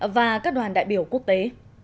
và các đoàn đại biểu quốc tế